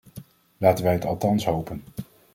Laten wij het althans hopen.